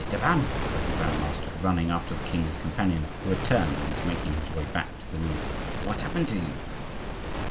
"Hey, Tavannes!" cried the grand master, running after the king's companion, who had turned and was making his way back to the Louvre, "What happened to you?"